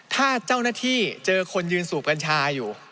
ถ้าเจ้าหน้าที่เจอคนยืนสูบกัญชาอยู่